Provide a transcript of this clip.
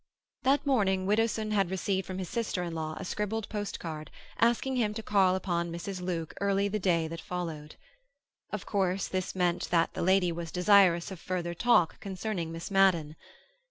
That morning Widdowson had received from his sister in law a scribbled post card, asking him to call upon Mrs. Luke early the day that followed. Of course this meant that the lady was desirous of further talk concerning Miss Madden.